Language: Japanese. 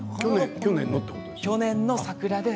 去年の桜で。